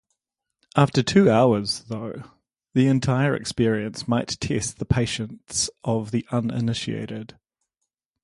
At two hours, though, the entire experience might test the patience of the uninitiated.